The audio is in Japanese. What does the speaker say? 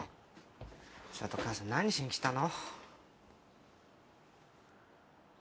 ちょっと母さん何しに来たの？